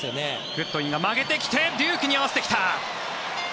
グッドウィンが曲げてきてデュークに合わせてきた。